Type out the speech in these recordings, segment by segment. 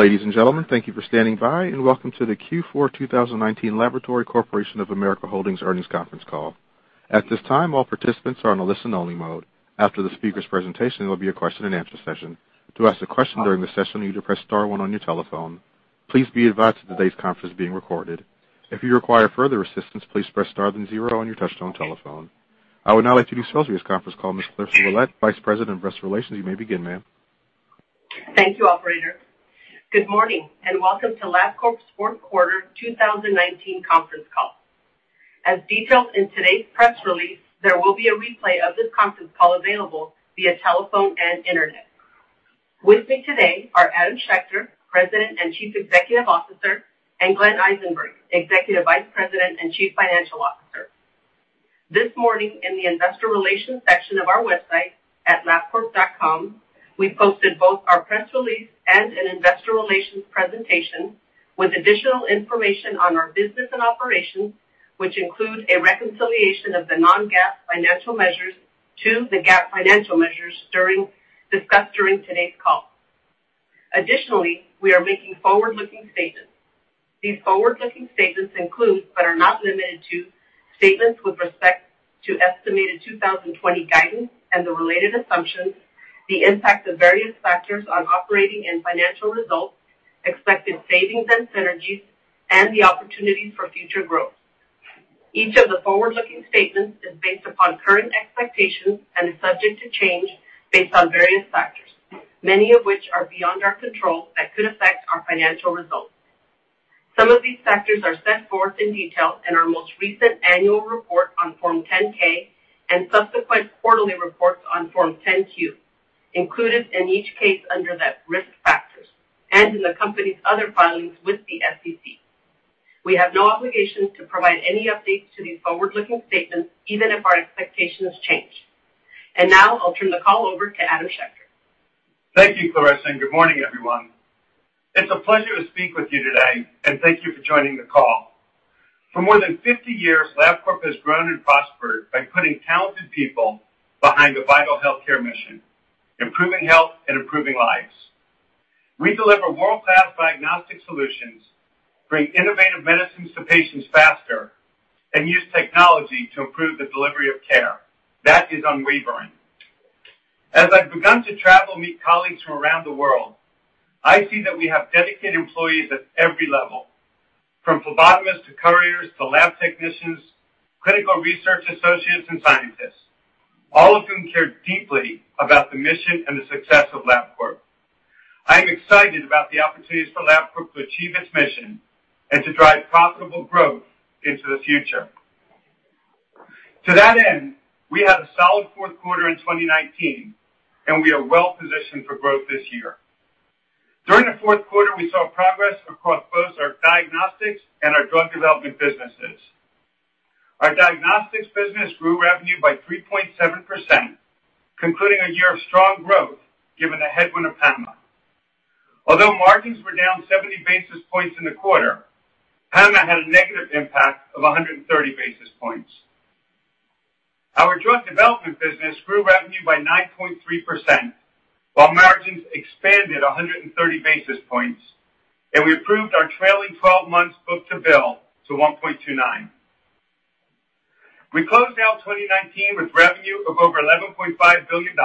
Ladies and gentlemen, thank you for standing by. Welcome to the Q4 2019 Laboratory Corporation of America Holdings earnings conference call. At this time, all participants are in a listen only mode. After the speakers presentation, there will be a question and answer session. To ask a question during the session, you need to press star one on your telephone. Please be advised that today's conference is being recorded. If you require further assistance, please press star then zero on your touchtone telephone. I would now like to start today's conference call. Miss Clarissa Willett, Vice President of Investor Relations, you may begin, ma'am. Thank you, operator. Good morning, welcome to Labcorp's fourth quarter 2019 conference call. As detailed in today's press release, there will be a replay of this conference call available via telephone and internet. With me today are Adam Schechter, President and Chief Executive Officer, and Glenn Eisenberg, Executive Vice President and Chief Financial Officer. This morning, in the investor relations section of our website at labcorp.com, we posted both our press release and an investor relations presentation with additional information on our business and operations, which includes a reconciliation of the non-GAAP financial measures to the GAAP financial measures discussed during today's call. We are making forward-looking statements. These forward-looking statements include, but are not limited to, statements with respect to estimated 2020 guidance and the related assumptions, the impact of various factors on operating and financial results, expected savings and synergies, and the opportunities for future growth. Each of the forward-looking statements is based upon current expectations and is subject to change based on various factors, many of which are beyond our control that could affect our financial results. Some of these factors are set forth in detail in our most recent annual report on Form 10-K and subsequent quarterly reports on Form 10-Q, included in each case under the risk factors, and in the company's other filings with the SEC. We have no obligation to provide any updates to these forward-looking statements, even if our expectations change. Now, I'll turn the call over to Adam Schechter. Thank you, Clarissa, and good morning, everyone. It's a pleasure to speak with you today, and thank you for joining the call. For more than 50 years, Labcorp has grown and prospered by putting talented people behind a vital healthcare mission, improving health and improving lives. We deliver world-class diagnostic solutions, bring innovative medicines to patients faster, and use technology to improve the delivery of care. That is unwavering. As I've begun to travel and meet colleagues from around the world, I see that we have dedicated employees at every level, from phlebotomists to couriers to lab technicians, clinical research associates, and scientists, all of whom care deeply about the mission and the success of Labcorp. I am excited about the opportunities for Labcorp to achieve its mission and to drive profitable growth into the future. To that end, we had a solid fourth quarter in 2019, and we are well-positioned for growth this year. During the fourth quarter, we saw progress across both our diagnostics and our drug development businesses. Our diagnostics business grew revenue by 3.7%, concluding a year of strong growth given the headwind of PAMA. Although margins were down 70 basis points in the quarter, PAMA had a negative impact of 130 basis points. Our drug development business grew revenue by 9.3%, while margins expanded 130 basis points, and we improved our trailing 12 months book-to-bill to 1.29. We closed out 2019 with revenue of over $11.5 billion,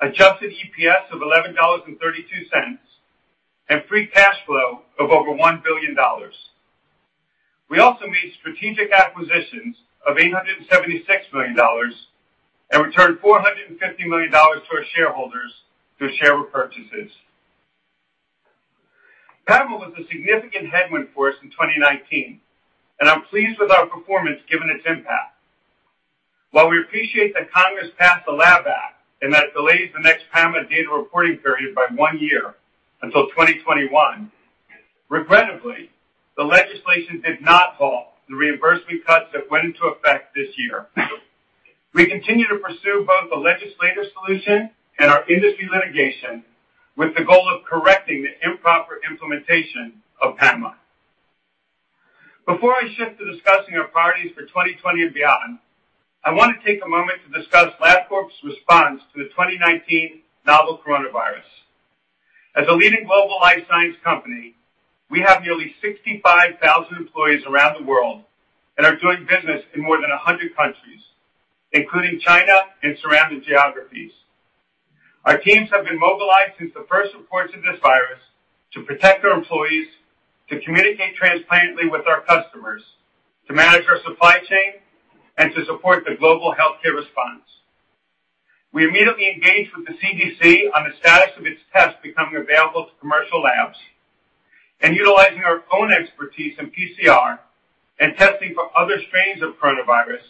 adjusted EPS of $11.32, and free cash flow of over $1 billion. We also made strategic acquisitions of $876 million and returned $450 million to our shareholders through share repurchases. PAMA was a significant headwind for us in 2019, and I'm pleased with our performance given its impact. While we appreciate that Congress passed the Lab Act and that delays the next PAMA data reporting period by one year until 2021, regrettably, the legislation did not halt the reimbursement cuts that went into effect this year. We continue to pursue both the legislative solution and our industry litigation with the goal of correcting the improper implementation of PAMA. Before I shift to discussing our priorities for 2020 and beyond, I want to take a moment to discuss Labcorp's response to the 2019 novel coronavirus. As a leading global life science company, we have nearly 65,000 employees around the world and are doing business in more than 100 countries, including China and surrounding geographies. Our teams have been mobilized since the first reports of this virus to protect our employees, to communicate transparently with our customers, to manage our supply chain, and to support the global healthcare response. We immediately engaged with the CDC on the status of its test becoming available to commercial labs. Utilizing our own expertise in PCR and testing for other strains of coronavirus,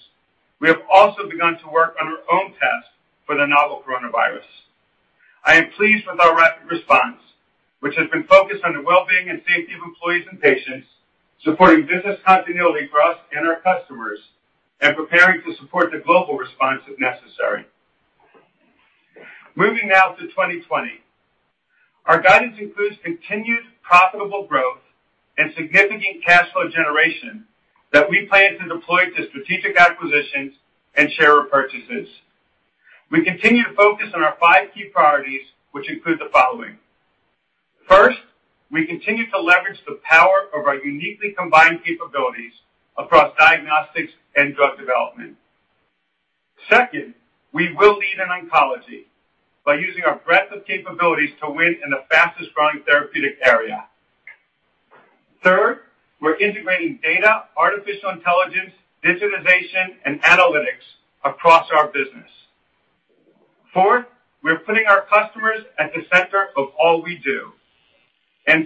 we have also begun to work on our own test for the novel coronavirus. I am pleased with our rapid response, which has been focused on the well-being and safety of employees and patients, supporting business continuity for us and our customers, and preparing to support the global response if necessary. Moving now to 2020. Our guidance includes continued profitable growth and significant cash flow generation that we plan to deploy to strategic acquisitions and share repurchases. We continue to focus on our five key priorities, which include the following. First, we continue to leverage the power of our uniquely combined capabilities across diagnostics and drug development. Second, we will lead in oncology by using our breadth of capabilities to win in the fastest-growing therapeutic area. Third, we're integrating data, artificial intelligence, digitization, and analytics across our business. Fourth, we're putting our customers at the center of all we do.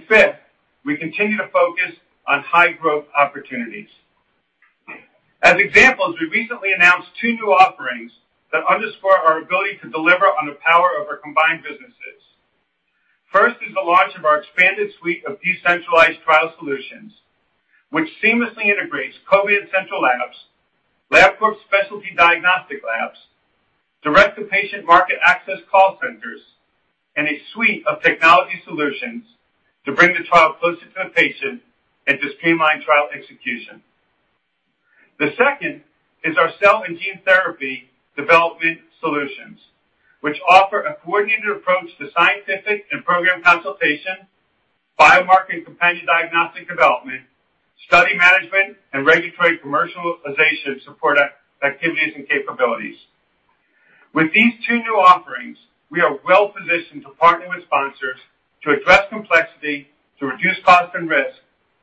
Fifth, we continue to focus on high-growth opportunities. As examples, we recently announced two new offerings that underscore our ability to deliver on the power of our combined businesses. First is the launch of our expanded suite of decentralized trial solutions, which seamlessly integrates Covance central labs, Labcorp specialty diagnostic labs, direct-to-patient market access call centers, and a suite of technology solutions to bring the trial closer to the patient and to streamline trial execution. The second is our cell and gene therapy development solutions, which offer a coordinated approach to scientific and program consultation, biomarker and companion diagnostic development, study management, and regulatory commercialization support activities and capabilities. With these two new offerings, we are well-positioned to partner with sponsors to address complexity, to reduce cost and risk,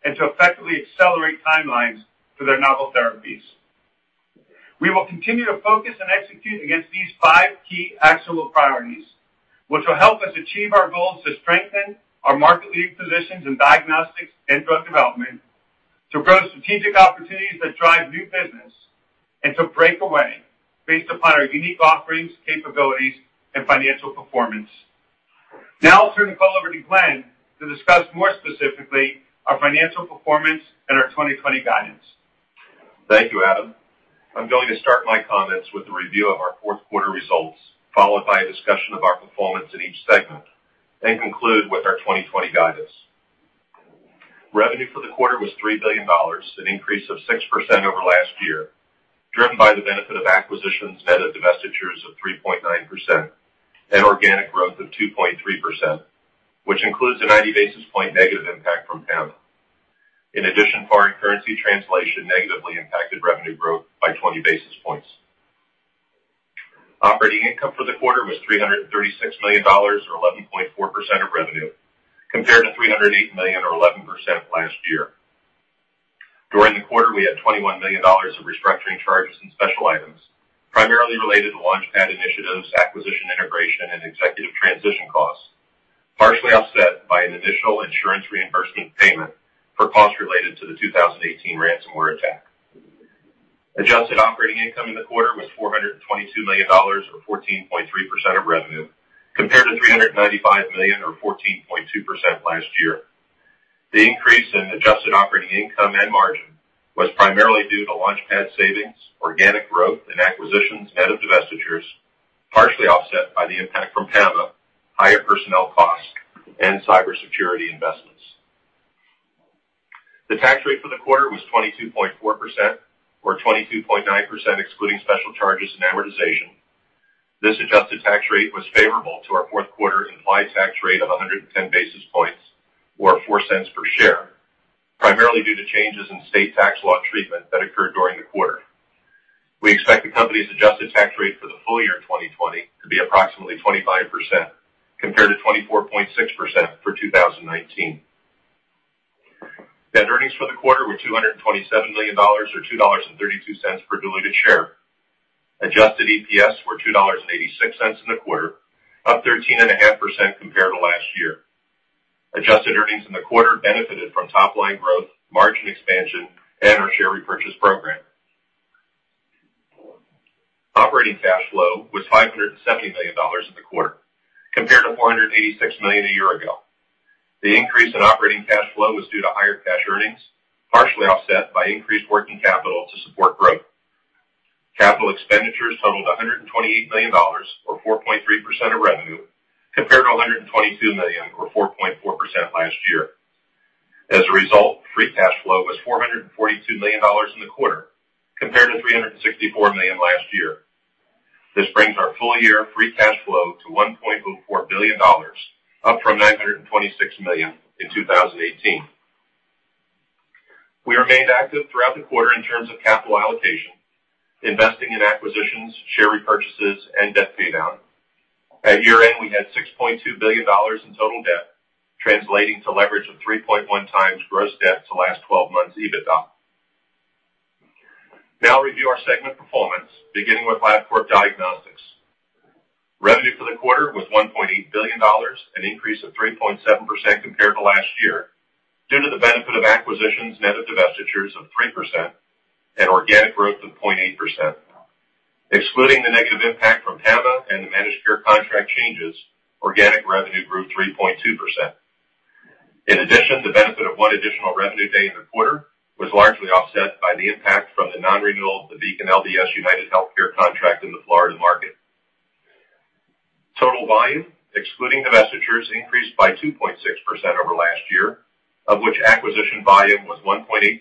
and to effectively accelerate timelines for their novel therapies. We will continue to focus and execute against these five key actionable priorities, which will help us achieve our goals to strengthen our market-leading positions in diagnostics and drug development, to grow strategic opportunities that drive new business, and to break away based upon our unique offerings, capabilities, and financial performance. I'll turn the call over to Glenn to discuss more specifically our financial performance and our 2020 guidance. Thank you, Adam. I'm going to start my comments with a review of our fourth quarter results, followed by a discussion of our performance in each segment, and conclude with our 2020 guidance. Revenue for the quarter was $3 billion, an increase of 6% over last year, driven by the benefit of acquisitions net of divestitures of 3.9% and organic growth of 2.3%, which includes a 90-basis-point negative impact from PAMA. In addition, foreign currency translation negatively impacted revenue growth by 20 basis points. Operating income for the quarter was $336 million, or 11.4% of revenue, compared to $308 million or 11% last year. During the quarter, we had $21 million of restructuring charges and special items, primarily related to LaunchPad initiatives, acquisition integration, and executive transition costs, partially offset by an initial insurance reimbursement payment for costs related to the 2018 ransomware attack. Adjusted operating income in the quarter was $422 million or 14.3% of revenue, compared to $395 million or 14.2% last year. The increase in adjusted operating income and margin was primarily due to LaunchPad savings, organic growth, and acquisitions net of divestitures, partially offset by the impact from PAMA, higher personnel costs, and cybersecurity investments. The tax rate for the quarter was 22.4%, or 22.9% excluding special charges and amortization. This adjusted tax rate was favorable to our fourth quarter implied tax rate of 110 basis points or $0.04 per share, primarily due to changes in state tax law treatment that occurred during the quarter. We expect the company's adjusted tax rate for the full year 2020 to be approximately 25%, compared to 24.6% for 2019. Net earnings for the quarter were $227 million, or $2.32 per diluted share. Adjusted EPS were $2.86 in the quarter, up 13.5% compared to last year. Adjusted earnings in the quarter benefited from top-line growth, margin expansion, and our share repurchase program. Operating cash flow was $570 million in the quarter, compared to $486 million a year ago. The increase in operating cash flow was due to higher cash earnings, partially offset by increased working capital to support growth. Capital expenditures totaled $128 million, or 4.3% of revenue, compared to $122 million or 4.4% last year. As a result, free cash flow was $442 million in the quarter, compared to $364 million last year. This brings our full-year free cash flow to $1.04 billion, up from $926 million in 2018. We remained active throughout the quarter in terms of capital allocation, investing in acquisitions, share repurchases, and debt paydown. At year-end, we had $6.2 billion in total debt, translating to leverage of 3.1 times gross debt to last 12 months EBITDA. Review our segment performance, beginning with Labcorp Diagnostics. Revenue for the quarter was $1.8 billion, an increase of 3.7% compared to last year, due to the benefit of acquisitions net of divestitures of 3% and organic growth of 0.8%. Excluding the negative impact from PAMA and the managed care contract changes, organic revenue grew 3.2%. The benefit of one additional revenue day in the quarter was largely offset by the impact from the non-renewal of the BeaconLBS UnitedHealthcare contract in the Florida market. Total volume, excluding divestitures, increased by 2.6% over last year, of which acquisition volume was 1.8%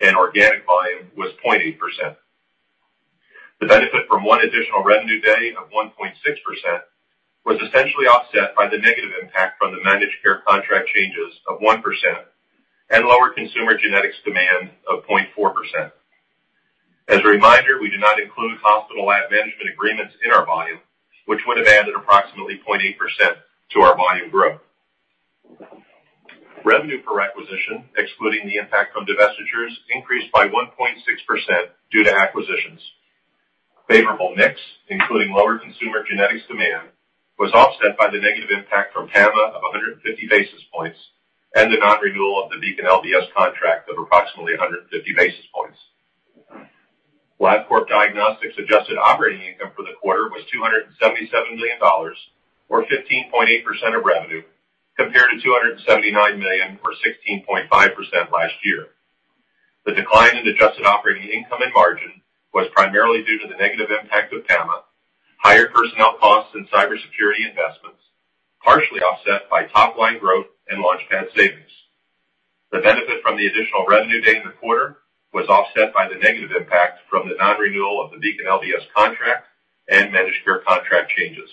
and organic volume was 0.8%. The benefit from one additional revenue day of 1.6% was essentially offset by the negative impact from the managed care contract changes of 1% and lower consumer genetics demand of 0.4%. As a reminder, we do not include hospital lab management agreements in our volume, which would have added approximately 0.8% to our volume growth. Revenue per requisition, excluding the impact from divestitures, increased by 1.6% due to acquisitions. Favorable mix, including lower consumer genetics demand, was offset by the negative impact from PAMA of 150 basis points and the non-renewal of the BeaconLBS contract of approximately 150 basis points. Labcorp Diagnostics adjusted operating income for the quarter was $277 million, or 15.8% of revenue, compared to $279 million, or 16.5% last year. The decline in adjusted operating income and margin was primarily due to the negative impact of PAMA, higher personnel costs and cybersecurity investments, partially offset by top-line growth and LaunchPad savings. The benefit from the additional revenue days in the quarter was offset by the negative impact from the non-renewal of the BeaconLBS contract and managed care contract changes.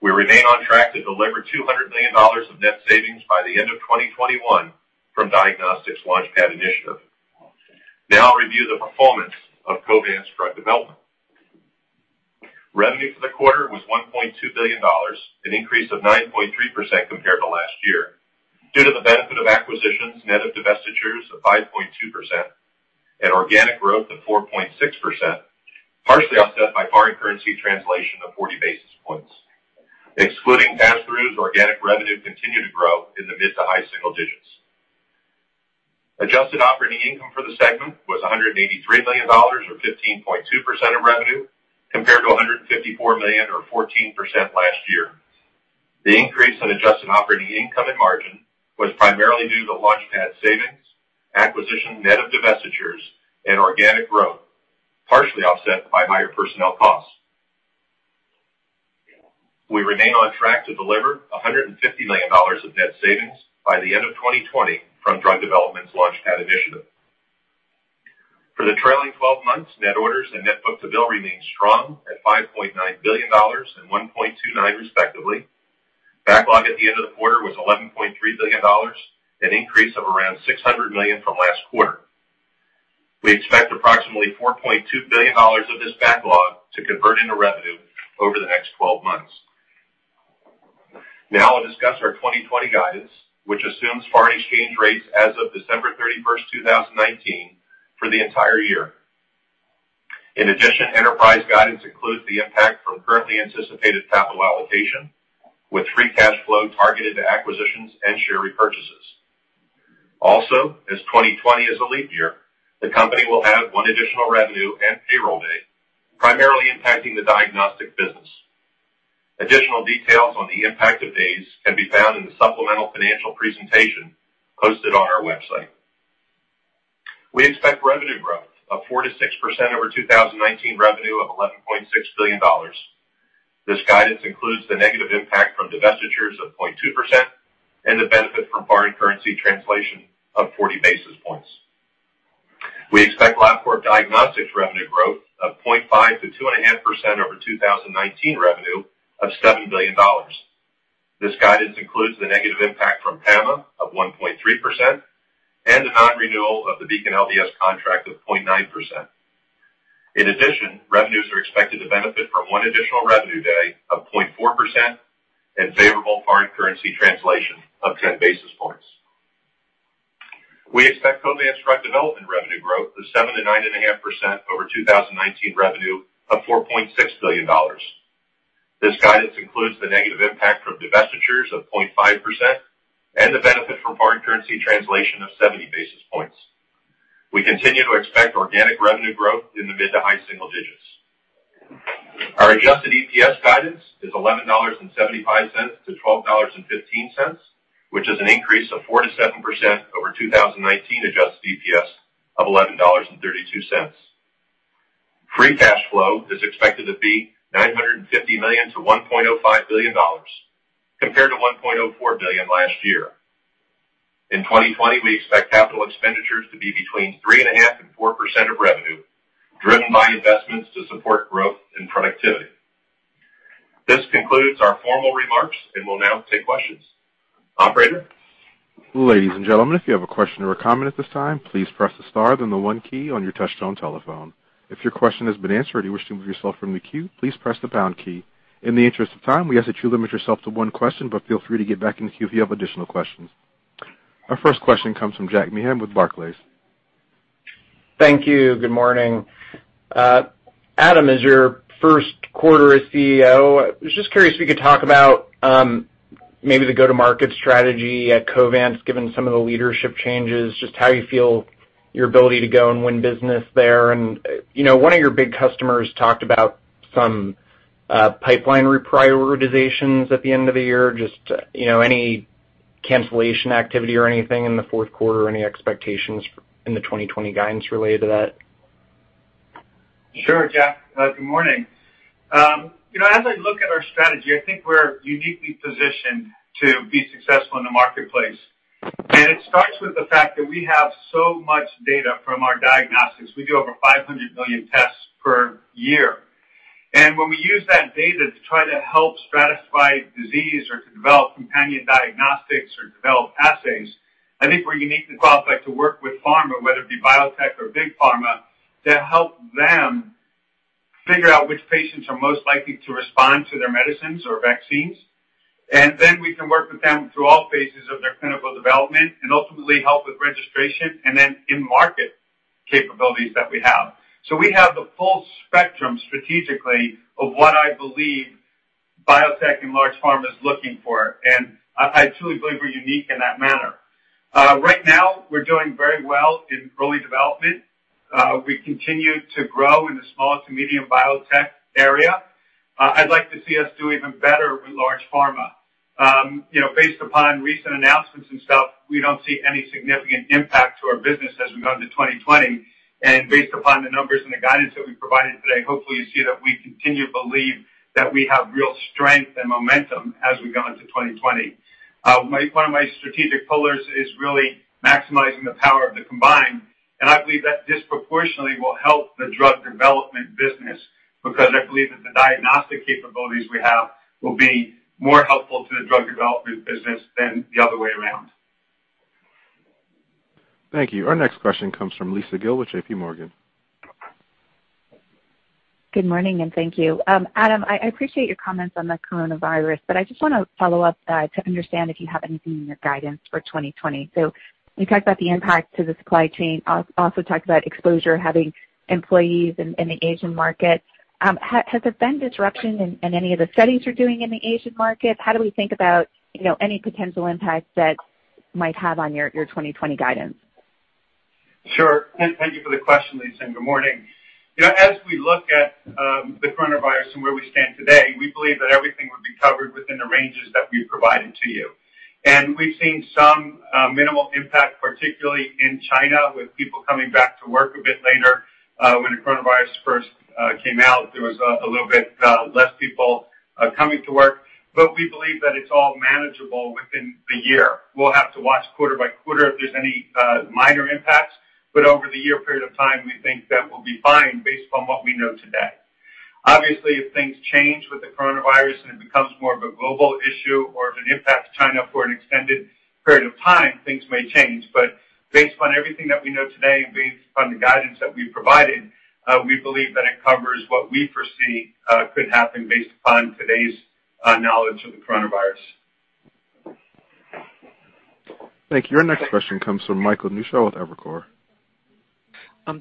We remain on track to deliver $200 million of net savings by the end of 2021 from Diagnostics LaunchPad initiative. I'll review the performance of Covance Drug Development. Revenue for the quarter was $1.2 billion, an increase of 9.3% compared to last year, due to the benefit of acquisitions net of divestitures of 5.2% and organic growth of 4.6%, partially offset by foreign currency translation of 40 basis points. Excluding pass-throughs, organic revenue continued to grow in the mid to high single digits. Adjusted operating income for the segment was $183 million or 15.2% of revenue, compared to $154 million or 14% last year. The increase in adjusted operating income and margin was primarily due to LaunchPad savings, acquisition net of divestitures, and organic growth, partially offset by higher personnel costs. We remain on track to deliver $150 million of net savings by the end of 2020 from Drug Development's LaunchPad initiative. For the trailing 12 months, net orders and net book-to-bill remained strong at $5.9 billion and 1.29 respectively. Backlog at the end of the quarter was $11.3 billion, an increase of around $600 million from last quarter. We expect approximately $4.2 billion of this backlog to convert into revenue over the next 12 months. Now I'll discuss our 2020 guidance, which assumes foreign exchange rates as of December 31st, 2019, for the entire year. Enterprise guidance includes the impact from currently anticipated capital allocation, with free cash flow targeted to acquisitions and share repurchases. As 2020 is a leap year, the company will have one additional revenue and payroll day, primarily impacting the diagnostic business. Additional details on the impact of these can be found in the supplemental financial presentation posted on our website. We expect revenue growth of 4%-6% over 2019 revenue of $11.6 billion. This guidance includes the negative impact from divestitures of 0.2% and the benefit from foreign currency translation of 40 basis points. We expect Labcorp Diagnostics revenue growth of 0.5%-2.5% over 2019 revenue of $7 billion. This guidance includes the negative impact from PAMA of 1.3% and the non-renewal of the BeaconLBS contract of 0.9%. In addition, revenues are expected to benefit from one additional revenue day of 0.4% and favorable foreign currency translation of 10 basis points. We expect Covance Drug Development revenue growth of 7%-9.5% over 2019 revenue of $4.6 billion. This guidance includes the negative impact from divestitures of 0.5% and the benefit from foreign currency translation of 70 basis points. We continue to expect organic revenue growth in the mid to high single digits. Our adjusted EPS guidance is $11.75-$12.15, which is an increase of 4%-7% over 2019 adjusted EPS of $11.32. Free cash flow is expected to be $950 million-$1.05 billion, compared to $1.04 billion last year. In 2020, we expect capital expenditures to be between 3.5% and 4% of revenue, driven by investments to support growth and productivity. This concludes our formal remarks, and we'll now take questions. Operator? Ladies and gentlemen, if you have a question or a comment at this time, please press the star then the one key on your touchtone telephone. If your question has been answered or you wish to remove yourself from the queue, please press the pound key. In the interest of time, we ask that you limit yourself to one question, but feel free to get back in the queue if you have additional questions. Our first question comes from Jack Meehan with Barclays. Thank you. Good morning. Adam, as your first quarter as CEO, I was just curious if you could talk about maybe the go-to-market strategy at Covance, given some of the leadership changes, just how you feel your ability to go and win business there. One of your big customers talked about some pipeline reprioritizations at the end of the year. Just any cancellation activity or anything in the fourth quarter, any expectations in the 2020 guidance related to that? Sure, Jack. Good morning. As I look at our strategy, I think we're uniquely positioned to be successful in the marketplace. It starts with the fact that we have so much data from our diagnostics. We do over 500 million tests per year. When we use that data to try to help stratify disease or to develop companion diagnostics or develop assays, I think we're uniquely qualified to work with pharma, whether it be biotech or big pharma, to help them figure out which patients are most likely to respond to their medicines or vaccines. Then we can work with them through all phases of their clinical development and ultimately help with registration and then in-market capabilities that we have. We have the full spectrum, strategically, of what I believe biotech and large pharma is looking for. I truly believe we're unique in that manner. Right now, we're doing very well in early development. We continue to grow in the small to medium biotech area. I'd like to see us do even better with large pharma. Based upon recent announcements and stuff, we don't see any significant impact to our business as we go into 2020. Based upon the numbers and the guidance that we provided today, hopefully you see that we continue to believe that we have real strength and momentum as we go into 2020. One of my strategic pillars is really maximizing the power of the combined, and I believe that disproportionately will help the drug development business, because I believe that the diagnostic capabilities we have will be more helpful to the drug development business than the other way around. Thank you. Our next question comes from Lisa Gill with JPMorgan. Good morning, thank you. Adam, I appreciate your comments on the coronavirus, but I just want to follow up to understand if you have anything in your guidance for 2020. You talked about the impact to the supply chain, also talked about exposure, having employees in the Asian market. Has there been disruption in any of the studies you're doing in the Asian market? How do we think about any potential impact that might have on your 2020 guidance? Sure. Thank you for the question, Lisa. Good morning. As we look at the coronavirus and where we stand today, we believe that everything will be covered within the ranges that we've provided to you. We've seen some minimal impact, particularly in China, with people coming back to work a bit later. When the coronavirus first came out, there was a little bit less people coming to work. We believe that it's all manageable within the year. We'll have to watch quarter by quarter if there's any minor impacts, but over the year period of time, we think that we'll be fine based upon what we know today. Obviously, if things change with the coronavirus and it becomes more of a global issue or if it impacts China for an extended period of time, things may change. Based upon everything that we know today and based upon the guidance that we've provided, we believe that it covers what we foresee could happen based upon today's knowledge of the coronavirus. Thank you. Our next question comes from Michael Newshel with Evercore.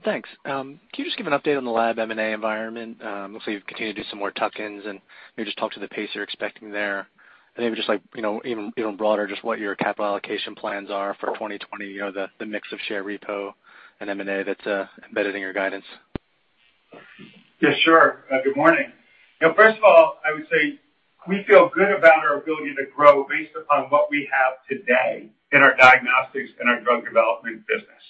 Thanks. Can you just give an update on the lab M&A environment? Obviously, you've continued to do some more tuck-ins, and maybe just talk to the pace you're expecting there, and maybe just even broader, just what your capital allocation plans are for 2020, the mix of share repo and M&A that's embedded in your guidance. Yeah, sure. Good morning. First of all, I would say we feel good about our ability to grow based upon what we have today in our diagnostics and our drug development business.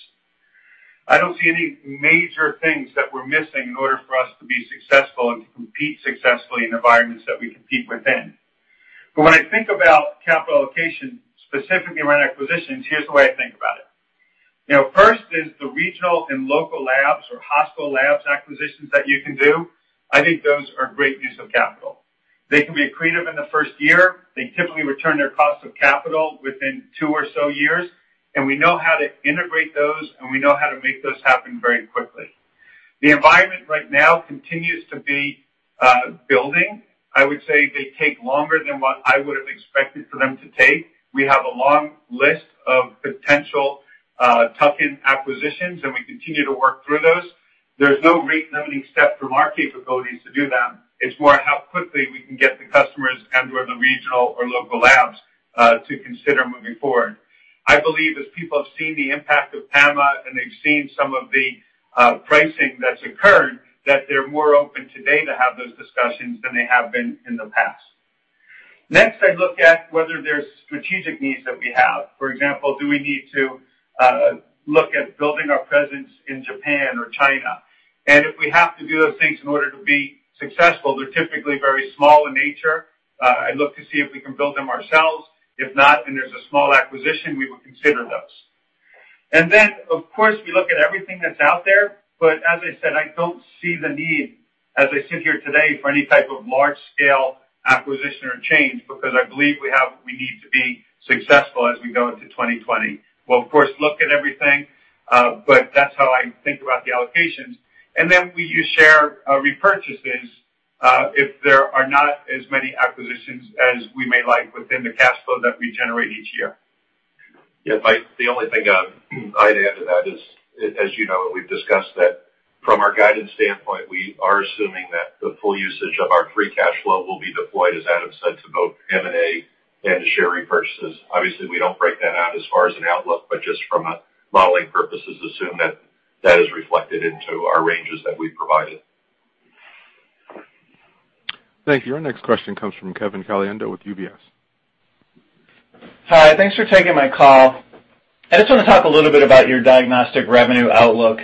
I don't see any major things that we're missing in order for us to be successful and to compete successfully in environments that we compete within. When I think about capital allocation, specifically around acquisitions, here's the way I think about it. First is the regional and local labs or hospital labs acquisitions that you can do. I think those are great use of capital. They can be accretive in the first year. They typically return their cost of capital within two or so years, and we know how to integrate those, and we know how to make those happen very quickly. The environment right now continues to be building. I would say they take longer than what I would've expected for them to take. We have a long list of potential tuck-in acquisitions, and we continue to work through those. There's no rate-limiting step from our capabilities to do them. It's more how quickly we can get the customers and/or the regional or local labs to consider moving forward. I believe as people have seen the impact of PAMA and they've seen some of the pricing that's occurred, that they're more open today to have those discussions than they have been in the past. Next, I look at whether there's strategic needs that we have. For example, do we need to look at building our presence in Japan or China? If we have to do those things in order to be successful, they're typically very small in nature. I look to see if we can build them ourselves. If not, and there's a small acquisition, we would consider those. Of course, we look at everything that's out there. As I said, I don't see the need as I sit here today for any type of large-scale acquisition or change because I believe we have what we need to be successful as we go into 2020. We'll of course look at everything, but that's how I think about the allocations. We use share repurchases if there are not as many acquisitions as we may like within the cash flow that we generate each year. Yeah, Mike, the only thing I'd add to that is, as you know, and we've discussed that from our guidance standpoint, we are assuming that the full usage of our free cash flow will be deployed, as Adam said, to both M&A and to share repurchases. Obviously, we don't break that out as far as an outlook, but just from a modeling purposes, assume that that is reflected into our ranges that we've provided. Thank you. Our next question comes from Kevin Caliendo with UBS. Hi. Thanks for taking my call. I just want to talk a little bit about your diagnostic revenue outlook.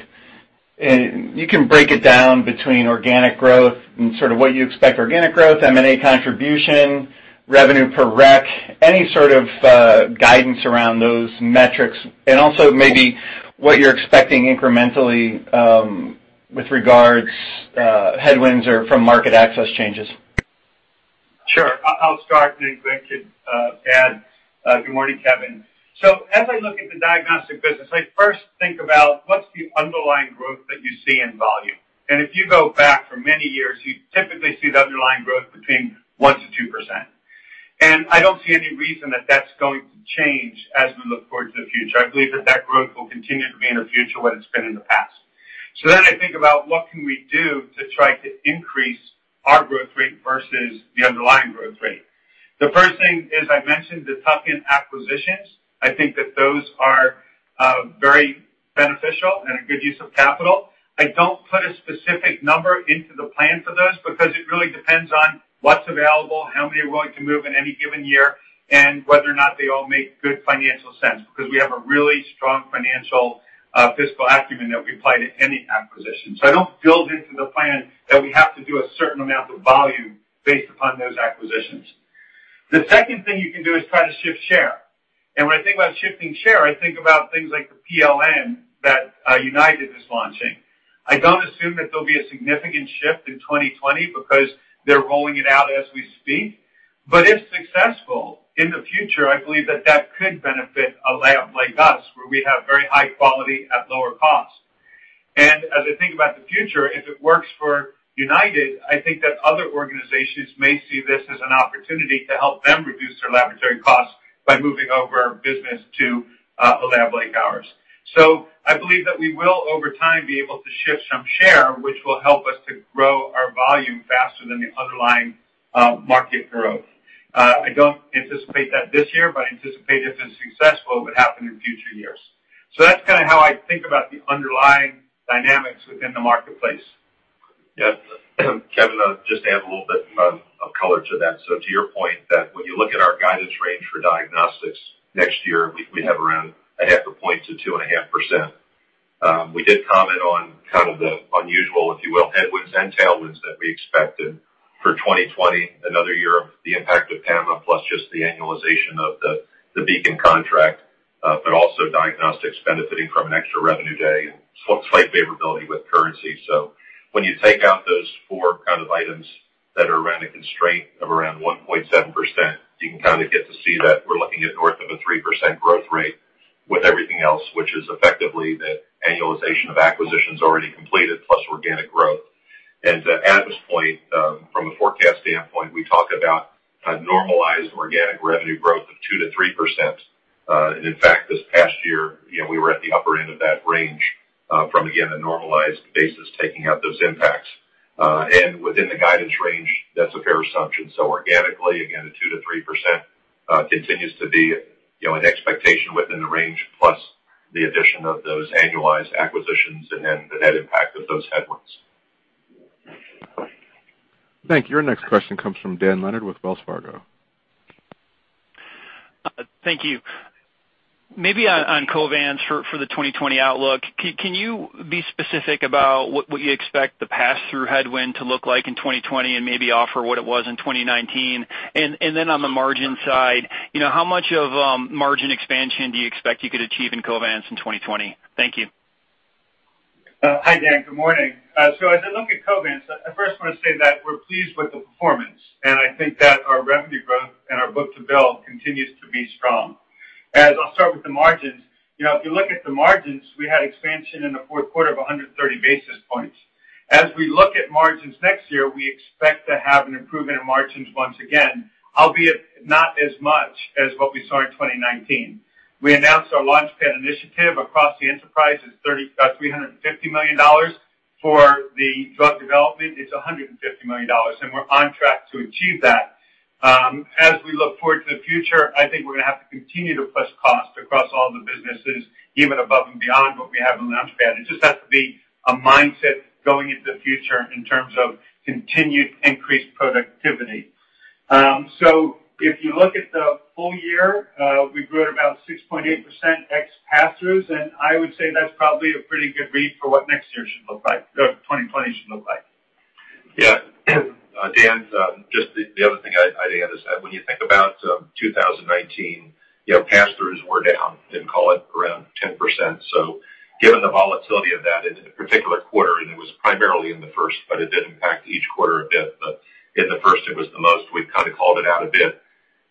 You can break it down between organic growth and sort of what you expect organic growth, M&A contribution, revenue per rec, any sort of guidance around those metrics, and also maybe what you're expecting incrementally with headwinds or from market access changes. Sure. I'll start and then Glenn could add. Good morning, Kevin. As I look at the Diagnostics business, I first think about what's the underlying growth that you see in volume. If you go back for many years, you typically see the underlying growth between 1%-2%. I don't see any reason that that's going to change as we look forward to the future. I believe that growth will continue to be in the future what it's been in the past. Then I think about what can we do to try to increase our growth rate versus the underlying growth rate. The first thing is I mentioned the tuck-in acquisitions. I think that those are very beneficial and a good use of capital. I don't put a specific number into the plan for those because it really depends on what's available, how many are going to move in any given year, and whether or not they all make good financial sense, because we have a really strong financial fiscal acumen that we apply to any acquisition. I don't build into the plan that we have to do a certain amount of volume based upon those acquisitions. The second thing you can do is try to shift share. When I think about shifting share, I think about things like the PLN that UnitedHealthcare is launching. I don't assume that there'll be a significant shift in 2020 because they're rolling it out as we speak. If successful, in the future, I believe that that could benefit a Labcorp like us, where we have very high quality at lower cost. As I think about the future, if it works for United, I think that other organizations may see this as an opportunity to help them reduce their laboratory costs by moving over business to a lab like ours. I believe that we will, over time, be able to shift some share, which will help us to grow our volume faster than the underlying market growth. I don't anticipate that this year, but I anticipate if it's successful, it would happen in future years. That's kind of how I think about the underlying dynamics within the marketplace. Yes. Kevin, I'll just add a little bit of color to that. To your point that when you look at our guidance range for diagnostics next year, we have around a half a point to 2.5%. We did comment on kind of the unusual, if you will, headwinds and tailwinds that we expected for 2020, another year of the impact of PAMA, plus just the annualization of the Beacon contract, also diagnostics benefiting from an extra revenue day and slight favorability with currency. When you take out those four kind of items that are around a constraint of around 1.7%, you can kind of get to see that we're looking at north of a 3% growth rate with everything else, which is effectively the annualization of acquisitions already completed plus organic growth. At this point, from a forecast standpoint, we talk about a normalized organic revenue growth of 2%-3%. In fact, this past year, we were at the upper end of that range, from, again, a normalized basis, taking out those impacts. Within the guidance range, that's a fair assumption. Organically, again, a 2%-3% continues to be an expectation within the range, plus the addition of those annualized acquisitions and the net impact of those headwinds. Thank you. Our next question comes from Dan Leonard with Wells Fargo. Thank you. Maybe on Covance for the 2020 outlook, can you be specific about what you expect the pass-through headwind to look like in 2020 and maybe offer what it was in 2019? Then on the margin side, how much of margin expansion do you expect you could achieve in Covance in 2020? Thank you. Hi, Dan. Good morning. As I look at Covance, I first want to say that we're pleased with the performance, and I think that our revenue growth and our book-to-bill continues to be strong. I'll start with the margins. If you look at the margins, we had expansion in the fourth quarter of 130 basis points. As we look at margins next year, we expect to have an improvement in margins once again, albeit not as much as what we saw in 2019. We announced our LaunchPad initiative across the enterprise is $350 million. For the drug development, it's $150 million, and we're on track to achieve that. As we look forward to the future, I think we're going to have to continue to push cost across all the businesses, even above and beyond what we have in LaunchPad. It just has to be a mindset going into the future in terms of continued increased productivity. If you look at the full year, we grew at about 6.8% ex pass-throughs, and I would say that's probably a pretty good read for what next year should look like, or 2020 should look like. Yeah. Dan, just the other thing I'd add is that when you think about 2019, pass-throughs were down, I'd call it around 10%. Given the volatility of that in a particular quarter, and it was primarily in the first, but it did impact each quarter a bit, but in the first, it was the most, we've kind of called it out a bit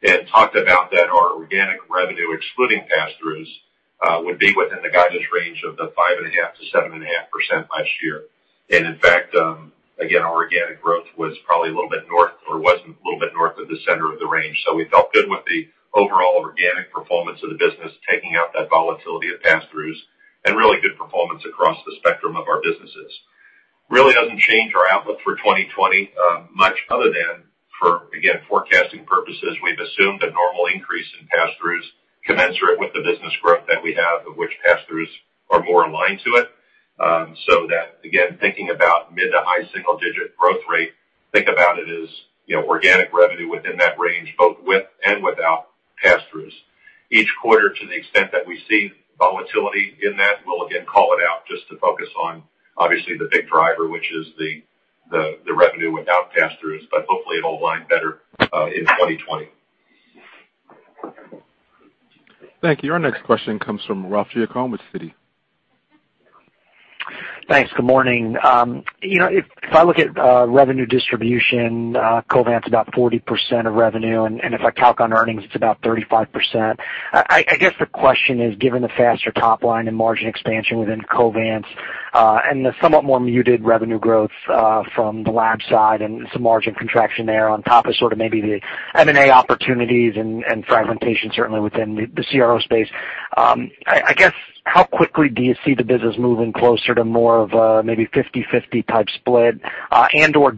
and talked about that our organic revenue, excluding pass-throughs, would be within the guidance range of the 5.5%-7.5% last year. In fact, again, our organic growth was probably a little bit north, or was a little bit north of the center of the range. We felt good with the overall organic performance of the business, taking out that volatility of pass-throughs, and really good performance across the spectrum of our businesses. Really doesn't change our outlook for 2020 much other than. Again, forecasting purposes, we've assumed a normal increase in passthroughs commensurate with the business growth that we have, of which passthroughs are more aligned to it. That, again, thinking about mid to high single-digit growth rate, think about it as organic revenue within that range, both with and without passthroughs. Each quarter, to the extent that we see volatility in that, we'll again call it out just to focus on obviously the big driver, which is the revenue without passthroughs. Hopefully it'll align better in 2020. Thank you. Our next question comes from Ralph Giacobbe with Citi. Thanks. Good morning. If I look at revenue distribution, Covance is about 40% of revenue, and if I calc on earnings, it's about 35%. I guess the question is, given the faster top line and margin expansion within Covance, and the somewhat more muted revenue growth from the lab side and some margin contraction there on top of maybe the M&A opportunities and fragmentation certainly within the CRO space, I guess, how quickly do you see the business moving closer to more of a maybe 50/50 type split?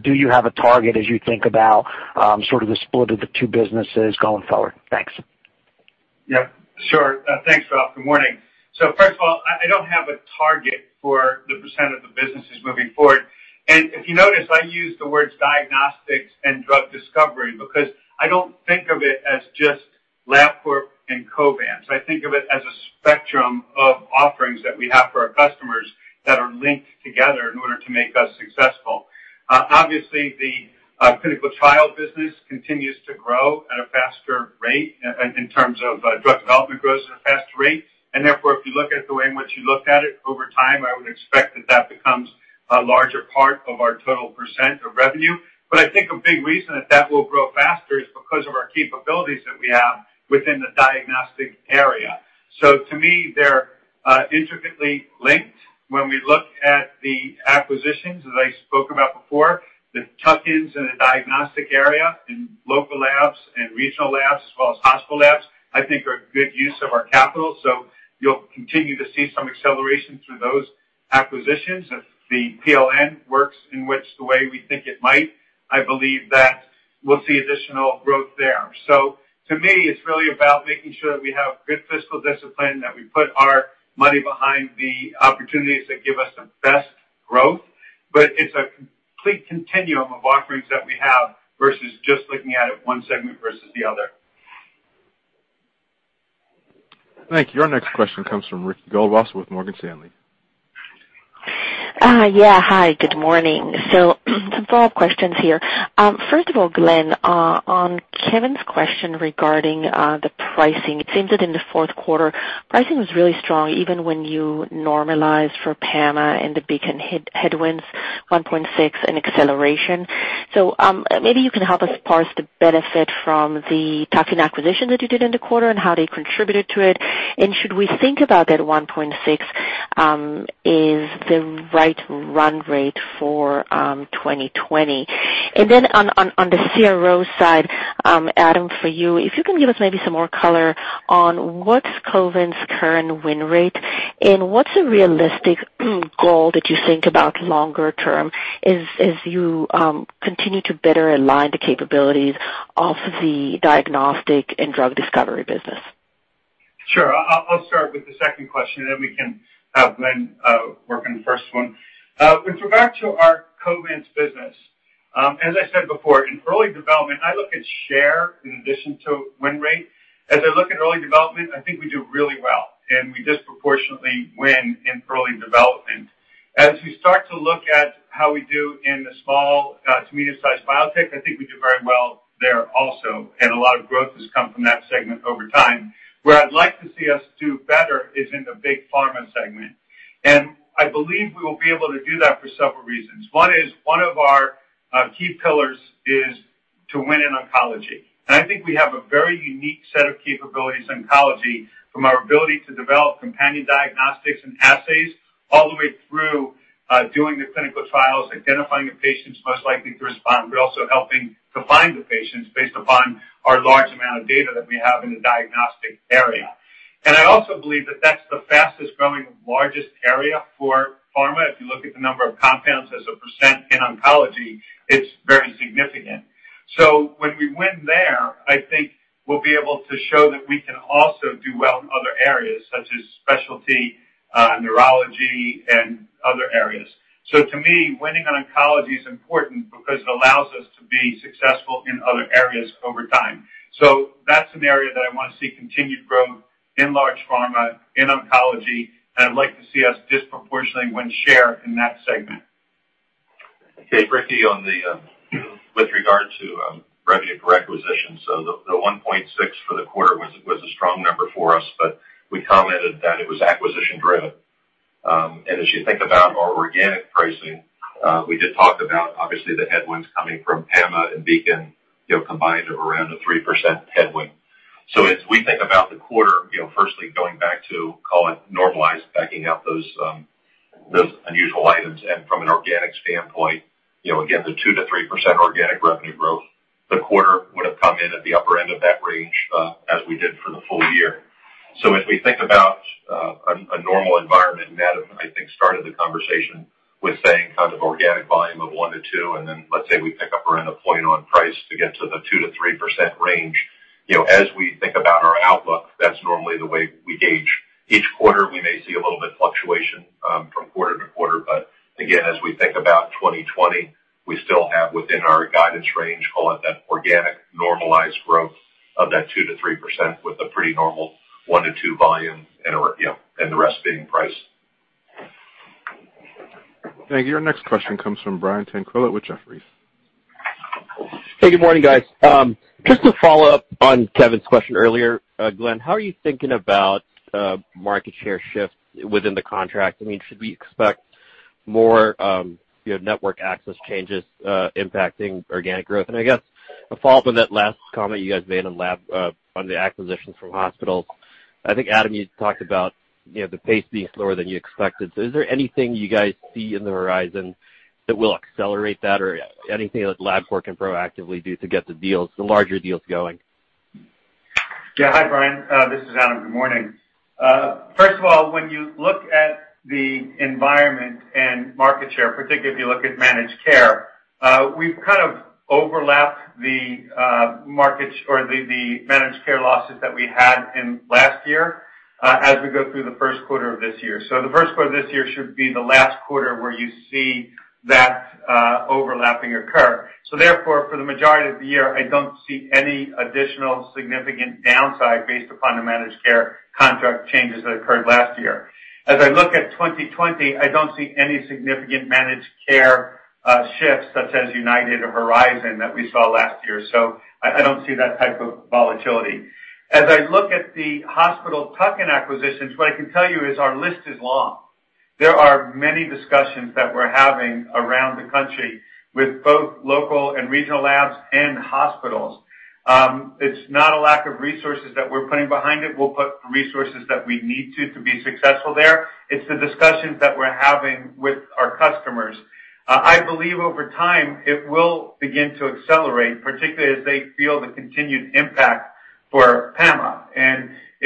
Do you have a target as you think about the split of the two businesses going forward? Thanks. Yep, sure. Thanks, Ralph. Good morning. First of all, I don't have a target for the % of the businesses moving forward. If you notice, I use the words diagnostics and drug development because I don't think of it as just Labcorp and Covance. I think of it as a spectrum of offerings that we have for our customers that are linked together in order to make us successful. Obviously, the clinical trial business continues to grow at a faster rate in terms of drug development growth at a faster rate. Therefore, if you look at the way in which you looked at it over time, I would expect that that becomes a larger part of our total % of revenue. I think a big reason that that will grow faster is because of our capabilities that we have within the diagnostics area. To me, they're intricately linked. When we look at the acquisitions, as I spoke about before, the tuck-ins in the diagnostic area, in local labs and regional labs, as well as hospital labs, I think are a good use of our capital. You'll continue to see some acceleration through those acquisitions. If the PLN works in which the way we think it might, I believe that we'll see additional growth there. To me, it's really about making sure that we have good fiscal discipline, that we put our money behind the opportunities that give us the best growth. It's a complete continuum of offerings that we have versus just looking at it one segment versus the other. Thank you. Our next question comes from Ricky Goldwasser with Morgan Stanley. Yeah. Hi, good morning. Some follow-up questions here. First of all, Glenn, on Kevin's question regarding the pricing, it seems that in the fourth quarter, pricing was really strong even when you normalized for PAMA and the Beacon headwinds, 1.6 in acceleration. Maybe you can help us parse the benefit from the tuck-in acquisition that you did in the quarter and how they contributed to it. Should we think about that 1.6 is the right run rate for 2020? On the CRO side, Adam, for you, if you can give us maybe some more color on what's Covance current win rate and what's a realistic goal that you think about longer term as you continue to better align the capabilities of the Diagnostics and drug development business? Sure. I'll start with the second question, and then we can have Glenn work on the first one. With regard to our Covance business, as I said before, in early development, I look at share in addition to win rate. I look at early development, I think we do really well, and we disproportionately win in early development. We start to look at how we do in the small to medium-sized biotech, I think we do very well there also, and a lot of growth has come from that segment over time. Where I'd like to see us do better is in the big pharma segment. I believe we will be able to do that for several reasons. One is one of our key pillars is to win in oncology. I think we have a very unique set of capabilities in oncology from our ability to develop companion diagnostics and assays all the way through doing the clinical trials, identifying the patients most likely to respond, but also helping to find the patients based upon our large amount of data that we have in the diagnostic area. I also believe that that's the fastest-growing, largest area for pharma. If you look at the number of compounds as a percent in oncology, it's very significant. When we win there, I think we'll be able to show that we can also do well in other areas, such as specialty, neurology, and other areas. To me, winning in oncology is important because it allows us to be successful in other areas over time. That's an area that I want to see continued growth in large pharma, in oncology, and I'd like to see us disproportionately win share in that segment. Okay, Ricky, with regard to revenue per requisition, the 1.6 for the quarter was a strong number for us, but we commented that it was acquisition-driven. As you think about our organic pricing, we did talk about obviously the headwinds coming from PAMA and Beacon combined of around a 3% headwind. As we think about the quarter, firstly going back to call it normalized, backing out those unusual items, and from an organic standpoint, again, the 2%-3% organic revenue growth, the quarter would have come in at the upper end of that range as we did for the full year. As we think about a normal environment, and Adam, I think, started the conversation with saying organic volume of 1-2, and then let's say we pick up around a point on price to get to the 2%-3% range. As we think about our outlook, that's normally the way we gauge. Each quarter, we may see a little bit fluctuation from quarter to quarter. Again, as we think about 2020, we still have within our guidance range, call it that organic normalized growth of that 2%-3% with a pretty normal one to two volume, and the rest being price. Thank you. Our next question comes from Brian Tanquilut with Jefferies. Hey, good morning, guys. Just to follow up on Kevin's question earlier, Glenn, how are you thinking about market share shifts within the contract? Should we expect more network access changes impacting organic growth? I guess a follow-up on that last comment you guys made on the acquisitions from hospitals. I think, Adam, you talked about the pace being slower than you expected. Is there anything you guys see in the horizon that will accelerate that or anything that Labcorp can proactively do to get the larger deals going? Hi, Brian. This is Adam. Good morning. First of all, when you look at the environment and market share, particularly if you look at managed care, we've kind of overlapped the managed care losses that we had in last year, as we go through the first quarter of this year. The first quarter of this year should be the last quarter where you see that overlapping occur. Therefore, for the majority of the year, I don't see any additional significant downside based upon the managed care contract changes that occurred last year. As I look at 2020, I don't see any significant managed care shifts such as United or Horizon that we saw last year. I don't see that type of volatility. As I look at the hospital tuck-in acquisitions, what I can tell you is our list is long. There are many discussions that we're having around the country with both local and regional labs and hospitals. It's not a lack of resources that we're putting behind it. We'll put resources that we need to be successful there. It's the discussions that we're having with our customers. I believe over time, it will begin to accelerate, particularly as they feel the continued impact for PAMA.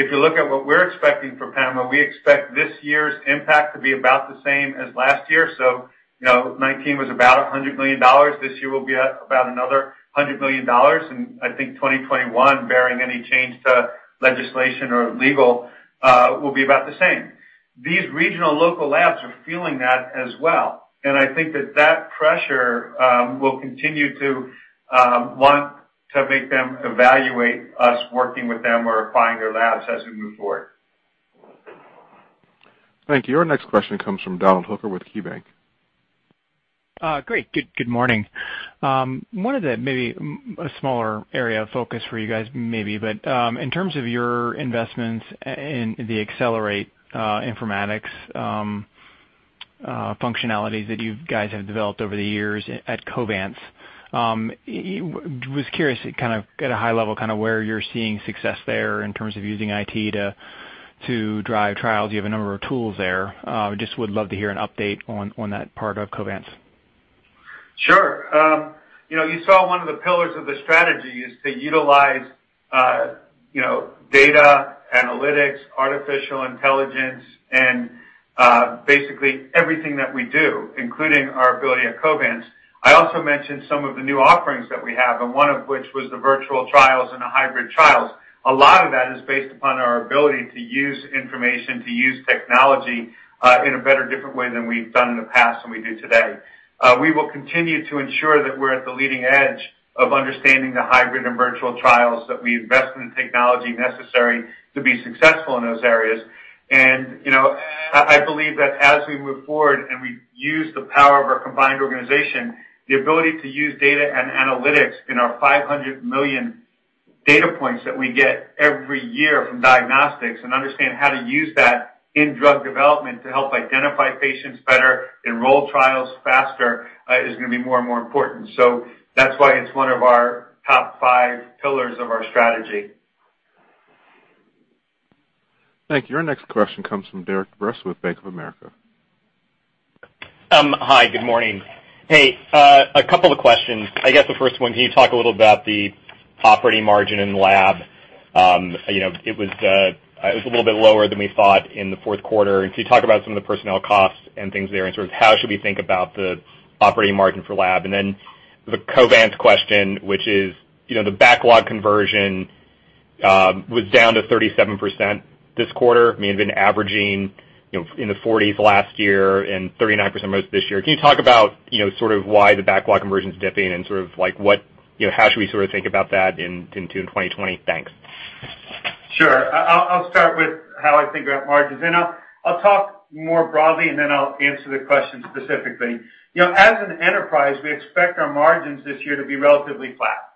If you look at what we're expecting for PAMA, we expect this year's impact to be about the same as last year. 2019 was about $100 million. This year will be about another $100 million. I think 2021, barring any change to legislation or legal, will be about the same. These regional local labs are feeling that as well, and I think that that pressure will continue to want to make them evaluate us working with them or acquiring their labs as we move forward. Thank you. Our next question comes from Donald Hooker with KeyBanc. Great. Good morning. One of the, maybe a smaller area of focus for you guys, maybe, but, in terms of your investments in the Xcellerate Informatics functionalities that you guys have developed over the years at Covance. Was curious, at a high level, where you're seeing success there in terms of using IT to drive trials. You have a number of tools there. Just would love to hear an update on that part of Covance. Sure. You saw one of the pillars of the strategy is to utilize data analytics, artificial intelligence, and basically everything that we do, including our ability at Covance. I also mentioned some of the new offerings that we have, and one of which was the virtual trials and the hybrid trials. A lot of that is based upon our ability to use information, to use technology, in a better, different way than we've done in the past than we do today. We will continue to ensure that we're at the leading edge of understanding the hybrid and virtual trials, that we invest in the technology necessary to be successful in those areas. I believe that as we move forward and we use the power of our combined organization, the ability to use data and analytics in our 500 million data points that we get every year from Diagnostics and understand how to use that in drug development to help identify patients better, enroll trials faster, is going to be more and more important. That's why it's one of our top five pillars of our strategy. Thank you. Our next question comes from Derik de Bruin with Bank of America. Hi, good morning. Hey, a couple of questions. I guess the first one, can you talk a little about the operating margin in the lab? It was a little bit lower than we thought in the fourth quarter. Can you talk about some of the personnel costs and things there, and sort of how should we think about the operating margin for lab? The Covance question, which is, the backlog conversion was down to 37% this quarter. It's been averaging in the 40s last year and 39% most of this year. Can you talk about why the backlog conversion's dipping and how should we think about that into 2020? Thanks. Sure. I'll start with how I think about margins, and I'll talk more broadly, and then I'll answer the question specifically. As an enterprise, we expect our margins this year to be relatively flat.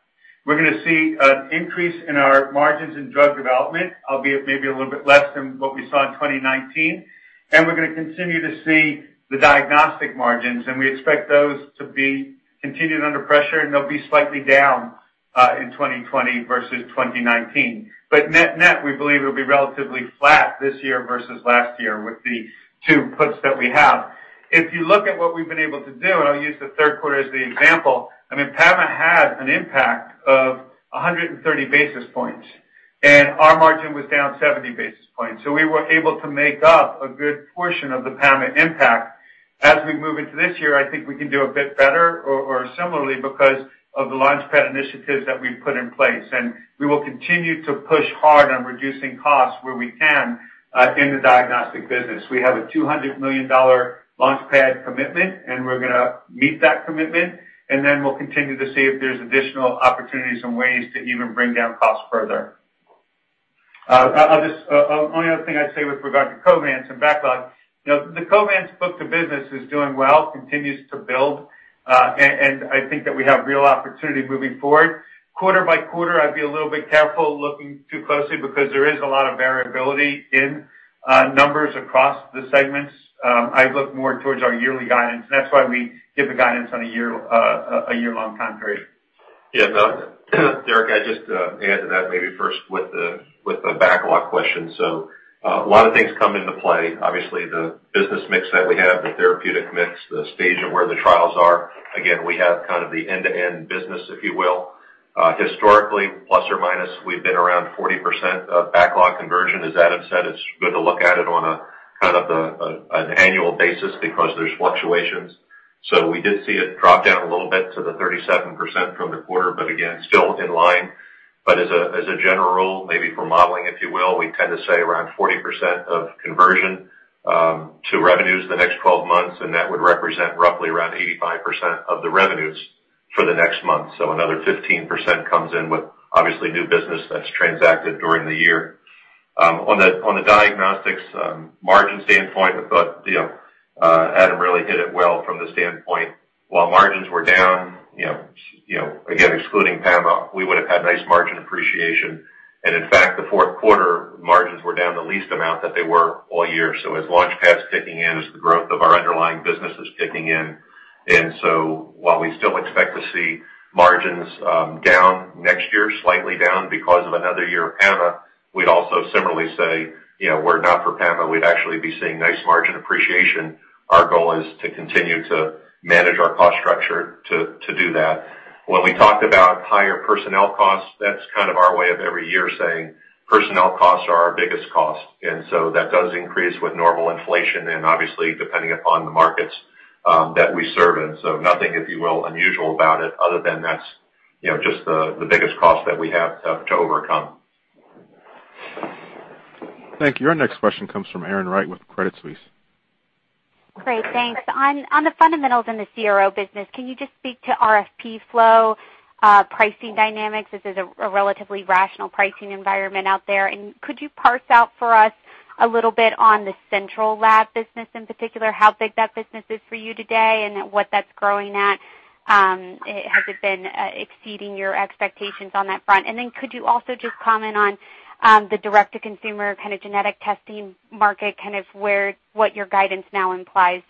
We're going to see an increase in our margins in drug development, albeit maybe a little bit less than what we saw in 2019. We're going to continue to see the diagnostic margins, and we expect those to be continued under pressure, and they'll be slightly down in 2020 versus 2019. Net-net, we believe it'll be relatively flat this year versus last year with the two puts that we have. If you look at what we've been able to do, and I'll use the third quarter as the example. PAMA had an impact of. 130 basis points and our margin was down 70 basis points. We were able to make up a good portion of the PAMA impact. As we move into this year, I think we can do a bit better or similarly because of the LaunchPad initiatives that we've put in place. We will continue to push hard on reducing costs where we can in the diagnostic business. We have a $200 million LaunchPad commitment. We're going to meet that commitment. We'll continue to see if there's additional opportunities and ways to even bring down costs further. Only other thing I'd say with regard to Covance and backlog. The Covance book-to-bill is doing well, continues to build, and I think that we have real opportunity moving forward. Quarter by quarter, I'd be a little bit careful looking too closely because there is a lot of variability in numbers across the segments. I look more towards our yearly guidance. That's why we give a guidance on a year-long time period. Yeah. Derik, I just add to that maybe first with the backlog question. A lot of things come into play. Obviously, the business mix that we have, the therapeutic mix, the stage of where the trials are. Again, we have the end-to-end business, if you will. Historically, plus or minus, we've been around 40% of backlog conversion. As Adam said, it's good to look at it on an annual basis because there's fluctuations. We did see it drop down a little bit to the 37% from the quarter, again, still in line. As a general rule, maybe for modeling, if you will, we tend to say around 40% of conversion to revenues the next 12 months, that would represent roughly around 85% of the revenues for the next 12 months. Another 15% comes in with obviously new business that's transacted during the year. On the Diagnostics margin standpoint, I thought Adam really hit it well from the standpoint while margins were down, again, excluding PAMA, we would've had nice margin appreciation. In fact, the fourth quarter margins were down the least amount that they were all year. As LaunchPad's kicking in, as the growth of our underlying business is kicking in, while we still expect to see margins down next year, slightly down because of another year of PAMA, we'd also similarly say, were it not for PAMA, we'd actually be seeing nice margin appreciation. Our goal is to continue to manage our cost structure to do that. When we talked about higher personnel costs, that's our way of every year saying personnel costs are our biggest cost. That does increase with normal inflation and obviously depending upon the markets that we serve in. Nothing, if you will, unusual about it other than that's just the biggest cost that we have to overcome. Thank you. Our next question comes from Erin Wright with Credit Suisse. Great, thanks. On the fundamentals in the CRO business, can you just speak to RFP flow, pricing dynamics? This is a relatively rational pricing environment out there. Could you parse out for us a little bit on the central lab business, in particular, how big that business is for you today and what that's growing at? Has it been exceeding your expectations on that front? Could you also just comment on the direct-to-consumer genetic testing market, what your guidance now implies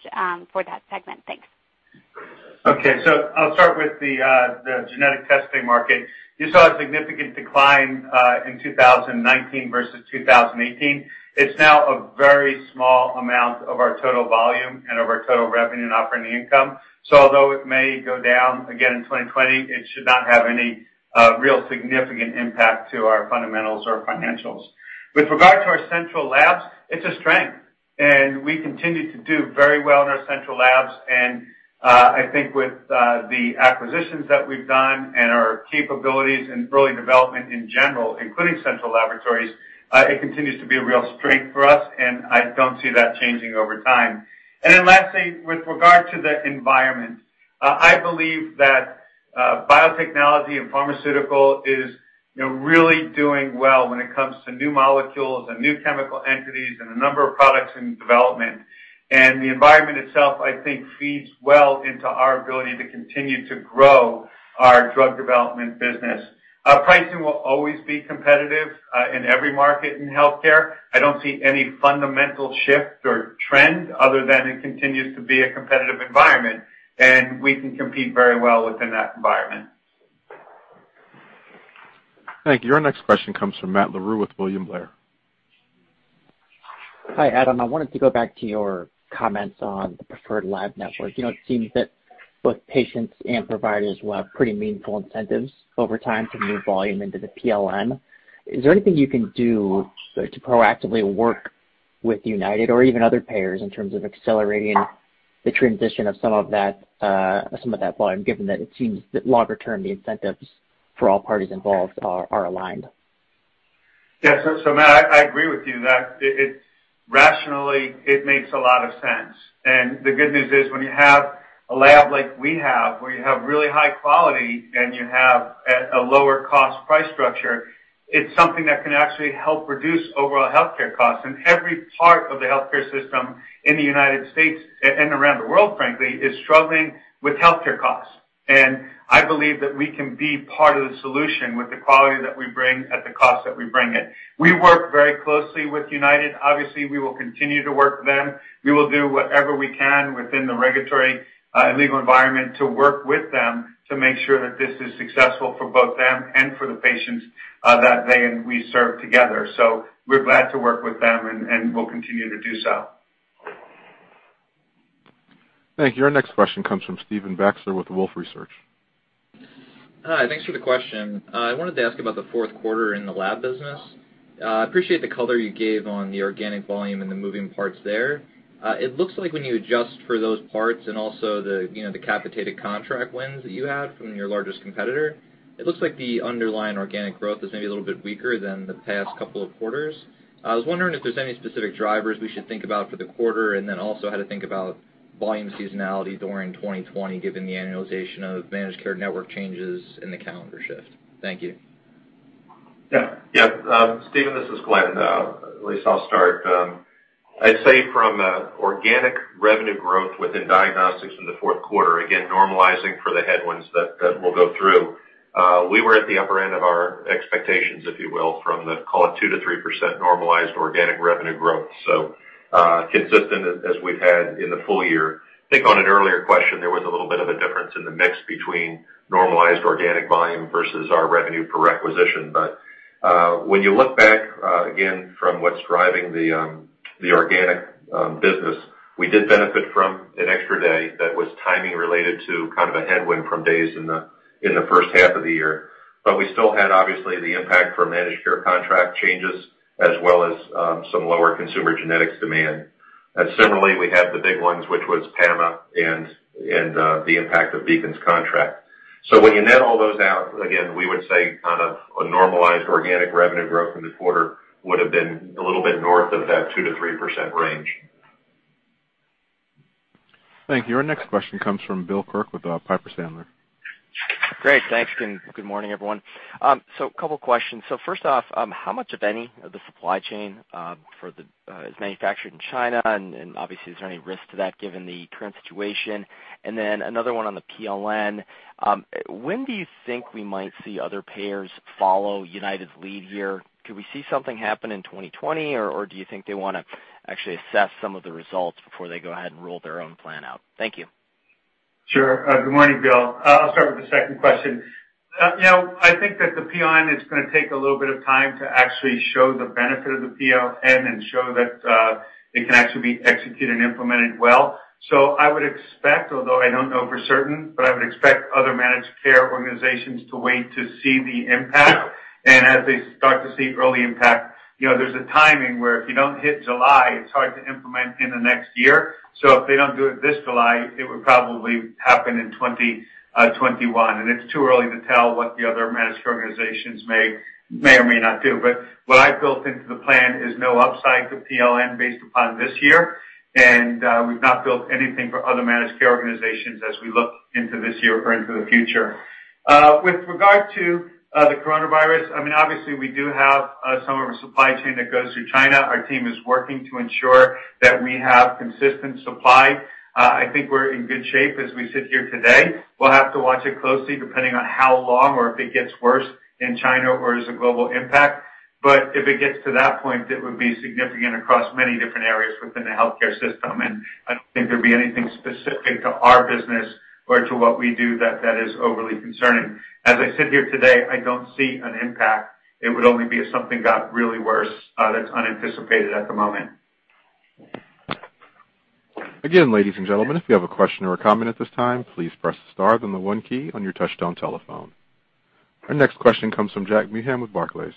for that segment? Thanks. Okay. I'll start with the genetic testing market. You saw a significant decline in 2019 versus 2018. It's now a very small amount of our total volume and of our total revenue and operating income. Although it may go down again in 2020, it should not have any real significant impact to our fundamentals or financials. With regard to our central labs, it's a strength, and we continue to do very well in our central labs. I think with the acquisitions that we've done and our capabilities in early development in general, including central laboratories, it continues to be a real strength for us, and I don't see that changing over time. Lastly, with regard to the environment, I believe that biotechnology and pharmaceutical is really doing well when it comes to new molecules and new chemical entities and a number of products in development. The environment itself, I think, feeds well into our ability to continue to grow our drug development business. Our pricing will always be competitive in every market in healthcare. I don't see any fundamental shift or trend other than it continues to be a competitive environment, and we can compete very well within that environment. Thank you. Our next question comes from Matt Larew with William Blair. Hi, Adam. I wanted to go back to your comments on the Preferred Laboratory Network. It seems that both patients and providers will have pretty meaningful incentives over time to move volume into the PLN. Is there anything you can do to proactively work with UnitedHealthcare or even other payers in terms of accelerating the transition of some of that volume, given that it seems that longer term, the incentives for all parties involved are aligned? Matt, I agree with you that rationally it makes a lot of sense. The good news is, when you have a lab like we have, where you have really high quality and you have a lower cost price structure, it's something that can actually help reduce overall healthcare costs. Every part of the healthcare system in the U.S., and around the world, frankly, is struggling with healthcare costs. I believe that we can be part of the solution with the quality that we bring at the cost that we bring it. We work very closely with UnitedHealthcare. Obviously, we will continue to work with them. We will do whatever we can within the regulatory legal environment to work with them to make sure that this is successful for both them and for the patients that they and we serve together. We're glad to work with them, and we'll continue to do so. Thank you. Our next question comes from Stephen Baxter with Wolfe Research. Hi. Thanks for the question. I wanted to ask about the fourth quarter in the lab business. I appreciate the color you gave on the organic volume and the moving parts there. It looks like when you adjust for those parts and also the dedicated contract wins that you had from your largest competitor, it looks like the underlying organic growth is maybe a little bit weaker than the past couple of quarters. I was wondering if there's any specific drivers we should think about for the quarter, and then also how to think about volume seasonality during 2020, given the annualization of managed care network changes and the calendar shift. Thank you. Stephen, this is Glenn. At least I'll start. I'd say from an organic revenue growth within Diagnostics in the fourth quarter, again, normalizing for the headwinds that we'll go through, we were at the upper end of our expectations, if you will, from the, call it, 2%-3% normalized organic revenue growth. Consistent as we've had in the full year. I think on an earlier question, there was a little bit of a difference in the mix between normalized organic volume versus our revenue per requisition. When you look back, again, from what's driving the organic business, we did benefit from an extra day that was timing related to a headwind from days in the first half of the year. We still had, obviously, the impact from managed care contract changes as well as some lower consumer genetics demand. Similarly, we had the big ones, which was PAMA and the impact of Beacon's contract. When you net all those out, again, we would say a normalized organic revenue growth in the quarter would have been a little bit north of that 2%-3% range. Thank you. Our next question comes from Bill Quirk with Piper Sandler. Great. Thanks. Good morning, everyone. A couple questions. First off, how much, if any, of the supply chain is manufactured in China? Obviously, is there any risk to that given the current situation? Another one on the PLN. When do you think we might see other payers follow UnitedHealthcare's lead here? Could we see something happen in 2020, or do you think they want to actually assess some of the results before they go ahead and roll their own plan out? Thank you. Sure. Good morning, Bill. I'll start with the second question. I think that the PLN is going to take a little bit of time to actually show the benefit of the PLN and show that it can actually be executed and implemented well. I would expect, although I don't know for certain, but I would expect other managed care organizations to wait to see the impact. As they start to see early impact, there's a timing where if you don't hit July, it's hard to implement in the next year. If they don't do it this July, it would probably happen in 2021, and it's too early to tell what the other managed care organizations may or may not do. What I've built into the plan is no upside to PLN based upon this year, and we've not built anything for other managed care organizations as we look into this year or into the future. With regard to the coronavirus, obviously we do have some of our supply chain that goes through China. Our team is working to ensure that we have consistent supply. I think we're in good shape as we sit here today. We'll have to watch it closely depending on how long or if it gets worse in China or as a global impact. If it gets to that point, it would be significant across many different areas within the healthcare system, and I don't think there'd be anything specific to our business or to what we do that is overly concerning. As I sit here today, I don't see an impact. It would only be if something got really worse that's unanticipated at the moment. Again, ladies and gentlemen, if you have a question or a comment at this time, please press star then the one key on your touchtone telephone. Our next question comes from Jack Meehan with Barclays.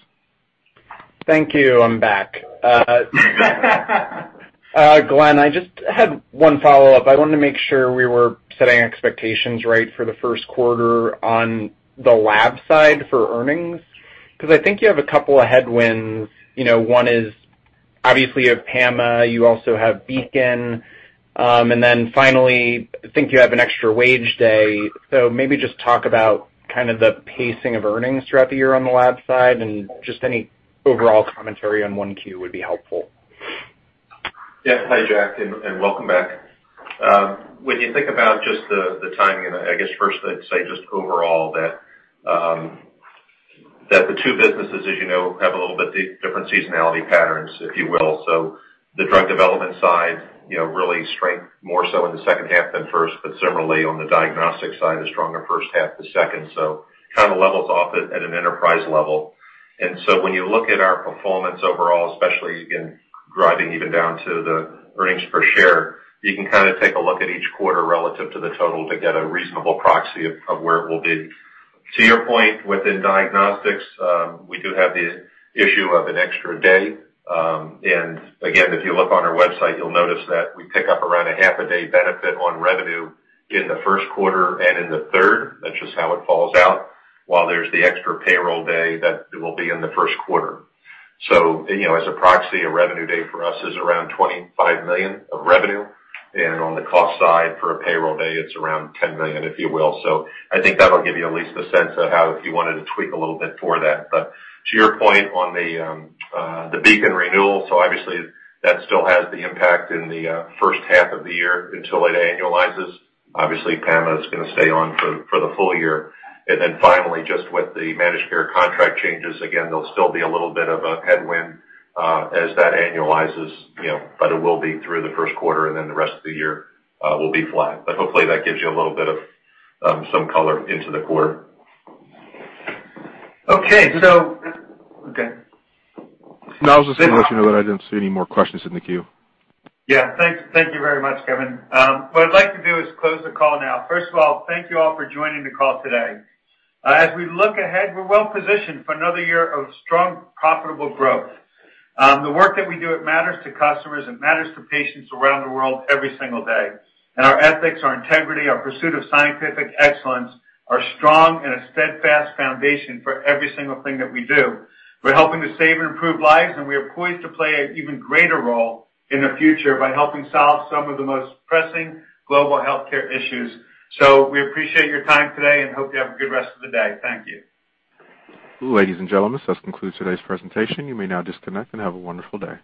Thank you. I'm back. Glenn, I just had one follow-up. I wanted to make sure we were setting expectations right for the first quarter on the lab side for earnings, I think you have a couple of headwinds. One is obviously PAMA. You also have Beacon. Finally, I think you have an extra wage day. Maybe just talk about the pacing of earnings throughout the year on the lab side and just any overall commentary on 1Q would be helpful. Hi, Jack, and welcome back. When you think about just the timing, and I guess first I'd say just overall that the two businesses, as you know, have a little bit different seasonality patterns, if you will. The drug development side really strength more so in the second half than first, but similarly on the diagnostic side is stronger first half than second. It levels off at an enterprise level. When you look at our performance overall, especially again, driving even down to the earnings per share, you can take a look at each quarter relative to the total to get a reasonable proxy of where it will be. To your point, within Diagnostics, we do have the issue of an extra day. Again, if you look on our website, you'll notice that we pick up around a half a day benefit on revenue in the first quarter and in the third. That's just how it falls out, while there's the extra payroll day that will be in the first quarter. As a proxy, a revenue day for us is around $25 million of revenue, and on the cost side for a payroll day, it's around $10 million, if you will. I think that'll give you at least a sense of how if you wanted to tweak a little bit for that. To your point on the Beacon renewal, obviously that still has the impact in the first half of the year until it annualizes. Obviously, PAMA is going to stay on for the full year. Finally, just with the managed care contract changes, again, there'll still be a little bit of a headwind as that annualizes, but it will be through the first quarter and the rest of the year will be flat. Hopefully that gives you a little bit of some color into the quarter. Okay. Go ahead. No, I was just going to let you know that I didn't see any more questions in the queue. Yeah. Thank you very much, Kevin. What I'd like to do is close the call now. First of all, thank you all for joining the call today. As we look ahead, we're well-positioned for another year of strong, profitable growth. The work that we do, it matters to customers, it matters to patients around the world every single day. Our ethics, our integrity, our pursuit of scientific excellence are a strong and a steadfast foundation for every single thing that we do. We're helping to save and improve lives, and we are poised to play an even greater role in the future by helping solve some of the most pressing global healthcare issues. We appreciate your time today and hope you have a good rest of the day. Thank you. Ladies and gentlemen, this concludes today's presentation. You may now disconnect and have a wonderful day.